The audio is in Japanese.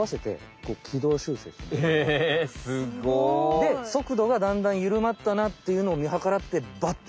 でそくどがだんだんゆるまったなっていうのをみはからってバッて。